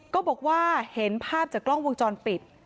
ก็บอกว่าเห็นภาพจากกล้องวงจรปิด